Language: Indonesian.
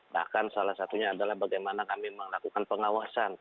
bahkan salah satunya adalah bagaimana kami melakukan pengawasan